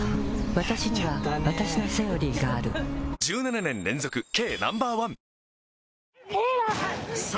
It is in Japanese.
わたしにはわたしの「セオリー」がある１７年連続軽